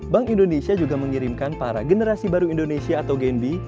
bank indonesia juga mengirimkan para generasi baru indonesia atau gnb